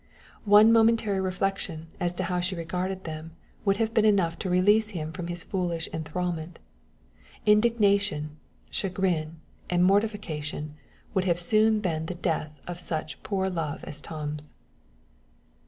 One momentary revelation as to how she regarded them would have been enough to release him from his foolish enthrallment. Indignation, chagrin, and mortification would have soon been the death of such poor love as Tom's.